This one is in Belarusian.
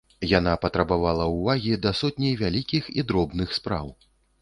Яна патрабавала ўвагі да сотні вялікіх і дробных спраў.